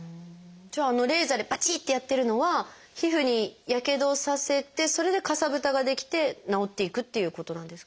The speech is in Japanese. じゃああのレーザーでバチッてやってるのは皮膚にやけどをさせてそれでかさぶたが出来て治っていくっていうことなんですか？